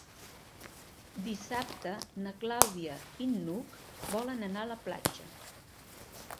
Dissabte na Clàudia i n'Hug volen anar a la platja.